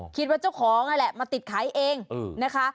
คิดว่าเจ้าของนั่นแหละมาติดขายเองนะคะ